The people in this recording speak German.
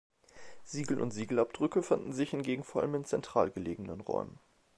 Siegel und Siegelabdrücke fanden sich hingegen vor allem in zentral gelegenen Räumen.